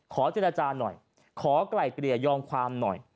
ขอเจรจาหน่อยขอไกล่เกลี่ยยอมความหน่อย